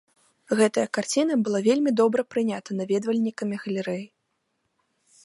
Гэтая карціна была вельмі добра прынята наведвальнікамі галерэі.